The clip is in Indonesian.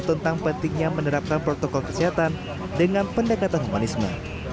tentang pentingnya menerapkan protokol kesehatan dengan pendekatan humanisme